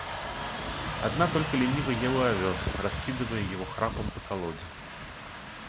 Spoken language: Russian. Одна только лениво ела овес, раскидывая его храпом по колоде.